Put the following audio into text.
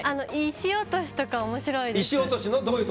石落としとか面白いです。